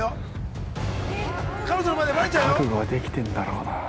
覚悟はできてんだろうな！